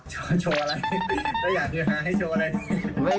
โชว์อะไรต้องอยากคือหาให้โชว์อะไร